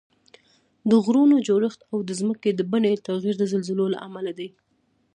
د غرونو جوړښت او د ځمکې د بڼې تغییر د زلزلو له امله دي